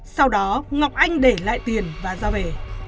sau đó ngọc anh để lại tiền và ra về